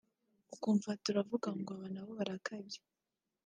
ukumva turavuga ngo “aba na bo barakabya